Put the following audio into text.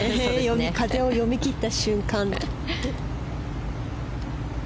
風を読み切った瞬間。